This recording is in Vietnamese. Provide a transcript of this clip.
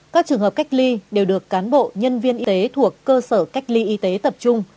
các trường hợp cách ly đều được cán bộ nhân viên y tế thuộc cơ sở cách ly y tế tập trung